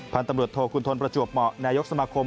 พันธุ์ตำรวจโทคุณทนประจวบเหมาะนายกสมาคม